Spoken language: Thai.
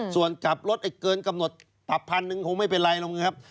ส่วนขับรถเกินกำหนดตับพันธุ์นึงคงไม่เป็นไรนะครับ